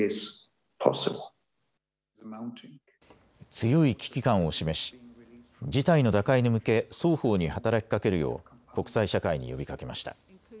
強い危機感を示し、事態の打開に向け双方に働きかけるよう国際社会に呼びかけました。